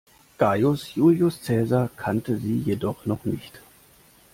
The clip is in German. Gaius Julius Cäsar kannte sie jedoch noch nicht.